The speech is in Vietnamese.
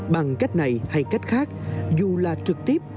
bằng cách này hay cách khác dù là trực tiếp